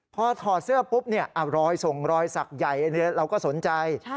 พอถอดเสื้อปุ๊บรอยส่งรอยสักใหญ่เราก็สนใจ